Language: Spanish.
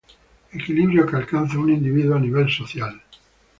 Equilibrio que alcanza un individuo a nivel social.